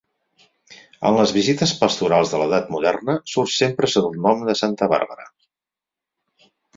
En les visites pastorals de l'edat moderna surt sempre sota el nom de santa Bàrbara.